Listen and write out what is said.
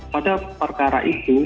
pada perkara itu